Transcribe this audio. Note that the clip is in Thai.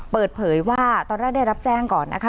เปิดเผยว่าตอนแรกได้รับแจ้งก่อนนะคะ